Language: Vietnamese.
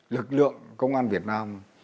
lực lượng công an việt nam